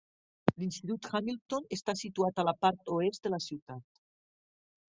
L'Institut Hamilton està situat a la part oest de la ciutat.